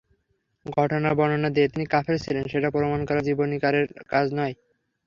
ঘটনার বর্ণনা দিয়ে তিনি কাফের ছিলেন, সেটা প্রমাণ করা জীবনীকারের কাজ নয়।